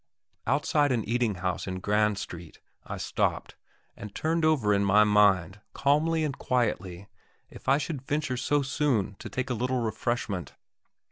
Outside an eating house in Grand Street I stopped, and turned over in my mind, calmly and quietly, if I should venture so soon to take a little refreshment.